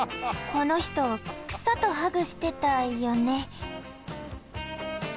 このひと草とハグしてたよね。